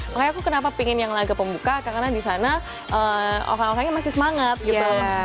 makanya aku kenapa pingin yang laga pembuka karena di sana orang orangnya masih semangat gitu